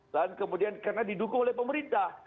dan kemudian karena didukung oleh pemerintah